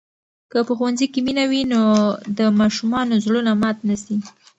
که په ښوونځي کې مینه وي، نو د ماشومانو زړونه مات نه سي.